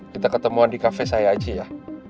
kita ketemuan di kafe saya aja ya